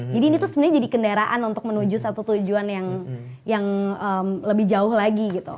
jadi ini tuh sebenernya jadi kendaraan untuk menuju satu tujuan yang lebih jauh lagi gitu